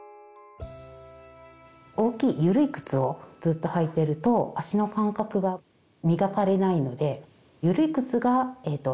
大きいゆるい靴をずっと履いてると足の感覚が磨かれないのでとかゆるい